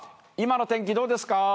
今の天気どうですか？